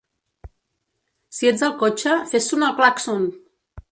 Si ets al cotxe, fes sonar el clàxon!